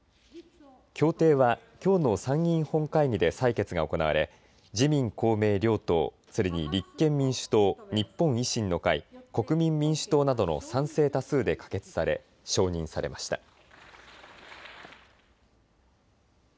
協定はきょうの参議院本会議で採決が行われ自民公明両党、それに立憲民主党、日本維新の会、国民民主党などの賛成多数で可決され承認されました。